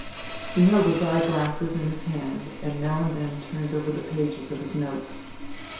He held his eye glasses in his hand and now and then turned over the pages of his notes.